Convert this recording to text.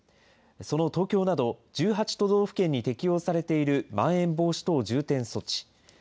その東京など、１８都道府県に適用されているまん延防止等重点措置。